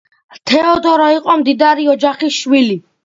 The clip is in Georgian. თეოდორე იყო მდიდარი ოჯახის შვილი.